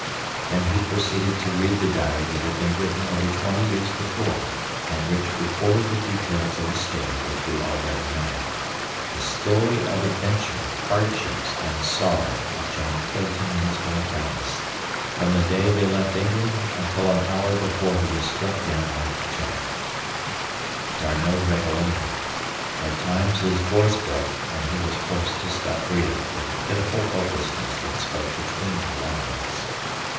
Then he proceeded to read the diary that had been written over twenty years before, and which recorded the details of the story which we already know—the story of adventure, hardships and sorrow of John Clayton and his wife Alice, from the day they left England until an hour before he was struck down by Kerchak. D'Arnot read aloud. At times his voice broke, and he was forced to stop reading for the pitiful hopelessness that spoke between the lines.